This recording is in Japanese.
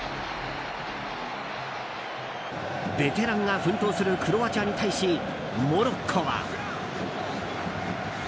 ベテランが奮闘するクロアチアに対し、モロッコは。